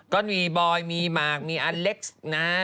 ก็มีบอยมีหมากมีอเล็กซ์นะฮะ